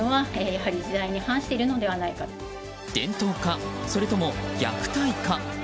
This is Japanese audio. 伝統か、それとも虐待か。